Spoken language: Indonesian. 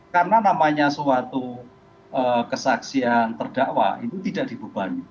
karena namanya suatu kesaksian terdakwa itu tidak dibebani